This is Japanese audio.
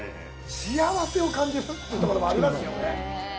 幸せを感じるというところもありますよね。